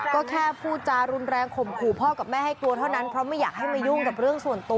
ก็แค่พูดจารุนแรงข่มขู่พ่อกับแม่ให้กลัวเท่านั้นเพราะไม่อยากให้มายุ่งกับเรื่องส่วนตัว